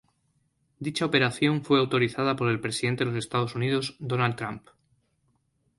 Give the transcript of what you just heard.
Dicha operación fue autorizada por el Presidente de los Estados Unidos, Donald Trump.